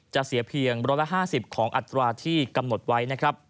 จะเสียเพียง๑๕๐ของอัตราที่กำหนดไว้นะครับ